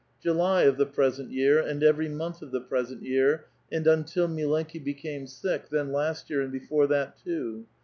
^* July of the present year and ever}' month of the present y^^tf, and until milenki became sick, then last year and be ^or^ that too.